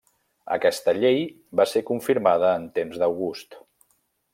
Aquesta llei va ser confirmada en temps d'August.